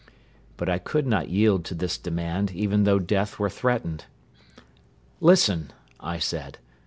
But I could not yield to this demand, even though death were threatened. "Listen," I said.